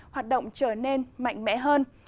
hoạt động trở nên mạnh mẽ hơn